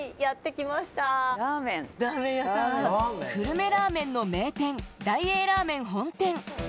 久留米ラーメンの名店、大栄ラーメン本店。